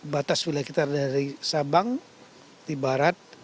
batas wilayah kita dari sabang di barat